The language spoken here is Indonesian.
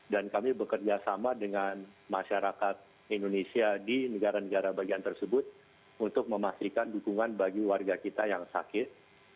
dan kami bekerjasama dengan masyarakat indonesia di negara negara bagian tersebut untuk memastikan dukungan bagi warga kita yang sakit